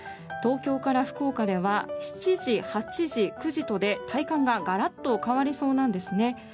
東京から福岡では７時、８時、９時とで体感がガラッと変わりそうなんですね。